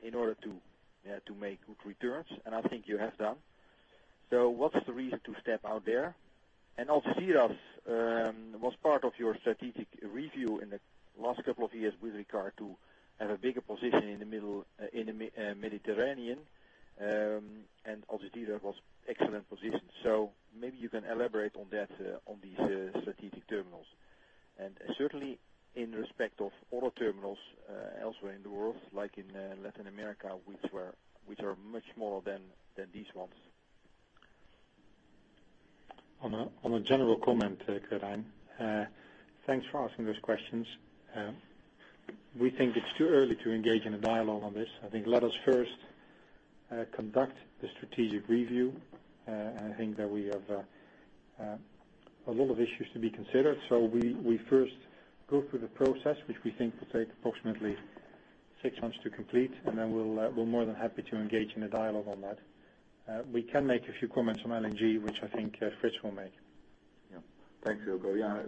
in order to make good returns, and I think you have done. What's the reason to step out there? Algeciras was part of your strategic review in the last 2 years with regard to have a bigger position in the Mediterranean, and Algeciras was excellent position. Maybe you can elaborate on these strategic terminals. Certainly in respect of other terminals elsewhere in the world, like in Latin America, which are much smaller than these ones. On a general comment, Quirijn. Thanks for asking those questions. We think it's too early to engage in a dialogue on this. I think let us first conduct the strategic review. I think that we have a lot of issues to be considered. We first go through the process, which we think will take approximately six months to complete, and then we're more than happy to engage in a dialogue on that. We can make a few comments on LNG, which I think Frits will make. Yeah. Thanks, Eelco. Yeah.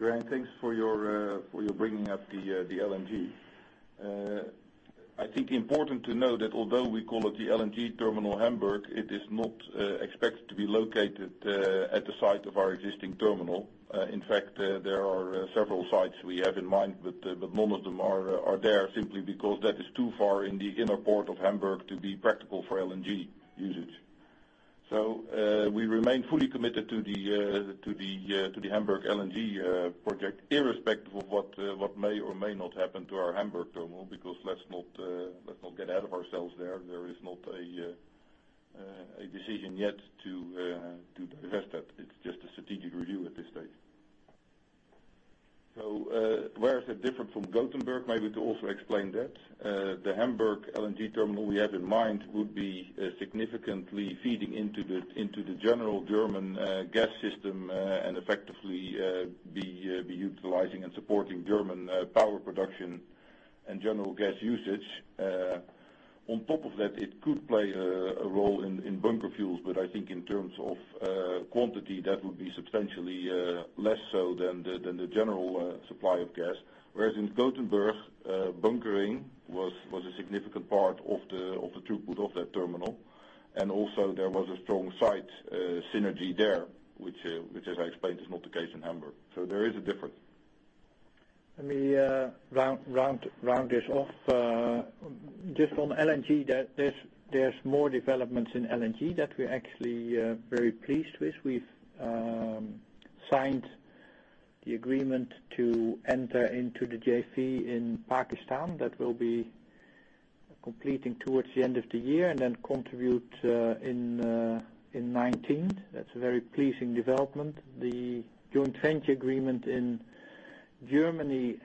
Quirijn, thanks for bringing up the LNG. I think important to note that although we call it the LNG terminal Hamburg, it is not expected to be located at the site of our existing terminal. In fact, there are several sites we have in mind, but none of them are there simply because that is too far in the inner port of Hamburg to be practical for LNG usage. We remain fully committed to the Hamburg LNG project, irrespective of what may or may not happen to our Hamburg terminal. Let's not get ahead of ourselves there. There is not a decision yet to divest that. It's just a strategic review at this stage. Where is it different from Gothenburg? Maybe to also explain that. The Hamburg LNG terminal we have in mind would be significantly feeding into the general German gas system, and effectively be utilizing and supporting German power production and general gas usage. On top of that, it could play a role in bunker fuels, but I think in terms of quantity, that would be substantially less so than the general supply of gas. Whereas in Gothenburg, bunkering was a significant part of the throughput of that terminal. Also there was a strong site synergy there, which, as I explained, is not the case in Hamburg. There is a difference. Let me round this off. Just on LNG, there's more developments in LNG that we're actually very pleased with. We've signed the agreement to enter into the JV in Pakistan. That will be completing towards the end of the year and then contribute in 2019. That's a very pleasing development. The joint venture agreement in Germany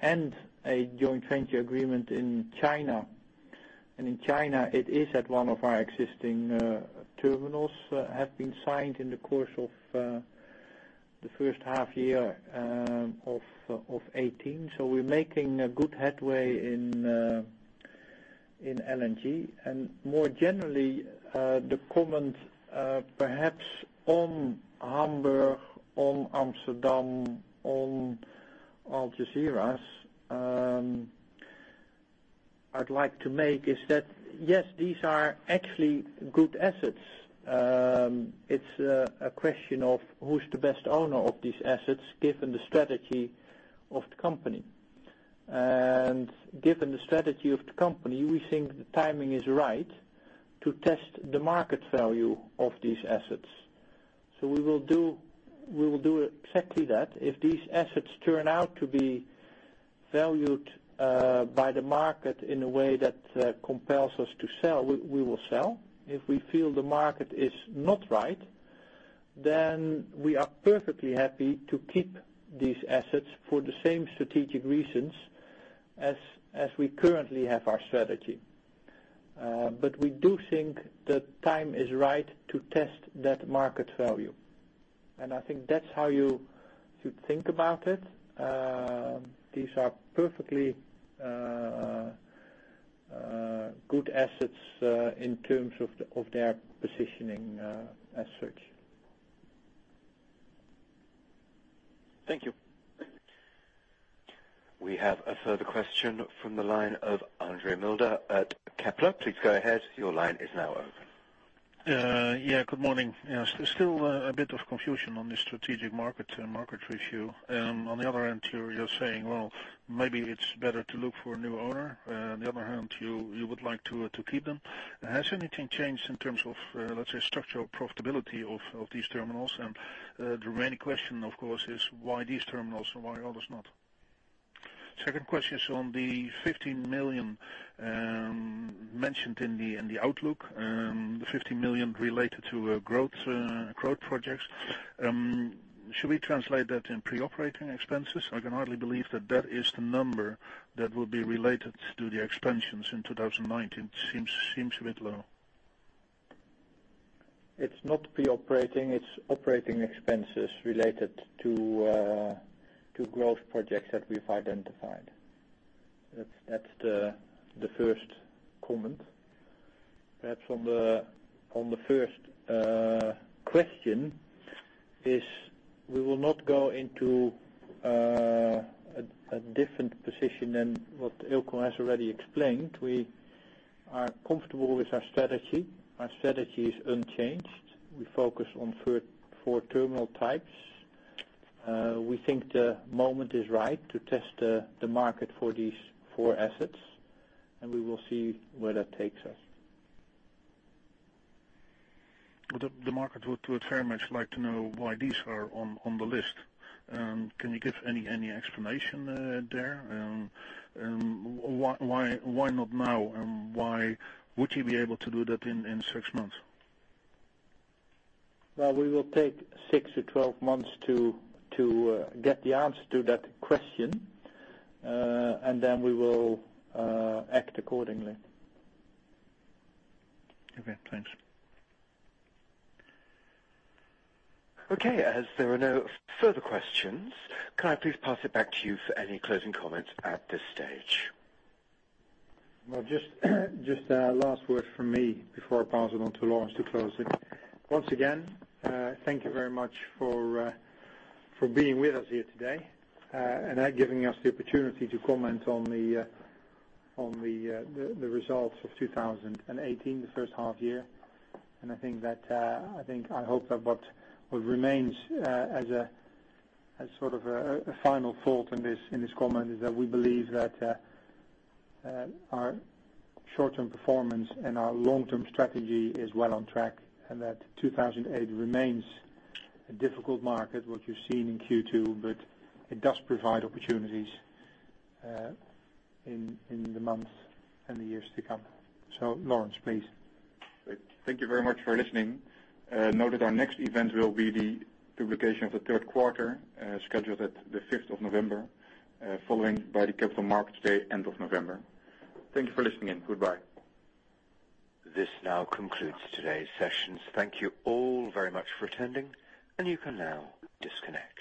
and a joint venture agreement in China, and in China it is at one of our existing terminals, have been signed in the course of the first half year of 2018. We're making good headway in LNG. More generally, the comment perhaps on Hamburg, on Amsterdam, on Algeciras I'd like to make is that, yes, these are actually good assets. It's a question of who's the best owner of these assets, given the strategy of the company. Given the strategy of the company, we think the timing is right to test the market value of these assets. We will do exactly that. If these assets turn out to be valued by the market in a way that compels us to sell, we will sell. If we feel the market is not right, then we are perfectly happy to keep these assets for the same strategic reasons as we currently have our strategy. But we do think the time is right to test that market value. I think that's how you should think about it. These are perfectly good assets in terms of their positioning as such. Thank you. We have a further question from the line of Andre Mulder at Kepler. Please go ahead. Your line is now open. Good morning. Still a bit of confusion on the strategic market review. On the other end, you're saying, well, maybe it's better to look for a new owner. On the other hand, you would like to keep them. Has anything changed in terms of, let's say, structural profitability of these terminals? The remaining question, of course, is why these terminals and why others not? Second question is on the 15 million mentioned in the outlook, the 15 million related to growth projects. Should we translate that in pre-operating expenses? I can hardly believe that that is the number that will be related to the expansions in 2019. Seems a bit low. It's not pre-operating, it's operating expenses related to growth projects that we've identified. That's the first comment. Perhaps on the first question, is we will not go into a different position than what Eelco has already explained. We are comfortable with our strategy. Our strategy is unchanged. We focus on four terminal types. We think the moment is right to test the market for these four assets, and we will see where that takes us. The market would very much like to know why these are on the list. Can you give any explanation there? Why not now? Why would you be able to do that in six months? Well, we will take six to 12 months to get the answer to that question, and then we will act accordingly. Okay, thanks. Okay, as there are no further questions, can I please pass it back to you for any closing comments at this stage? Well, just a last word from me before I pass it on to Laurens to close it. Once again, thank you very much for being with us here today and giving us the opportunity to comment on the results of 2018, the first half year. I think, I hope that what remains as a sort of a final thought in this comment is that we believe that our short-term performance and our long-term strategy is well on track. That 2018 remains a difficult market, what you've seen in Q2, it does provide opportunities in the months and the years to come. Laurens, please. Great. Thank you very much for listening. Note that our next event will be the publication of the third quarter, scheduled at the 5th of November, followed by the Capital Markets Day end of November. Thank you for listening in. Goodbye. This now concludes today's session. Thank you all very much for attending, you can now disconnect.